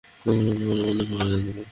আর তোমার এরকম মনে হওয়ার কারণ জানতে পারি?